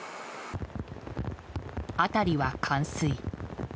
辺りは冠水。